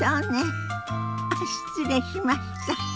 あっ失礼しました。